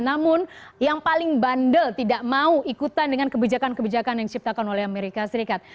namun yang paling bandel tidak mau ikutan dengan kebijakan kebijakan yang diciptakan oleh amerika serikat